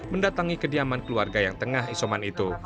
mendatangi kediaman keluarga yang tengah isoman itu